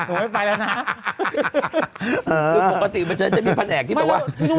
คือปกติไม่เชิญจะมีแผนแอกที่แต่ว่า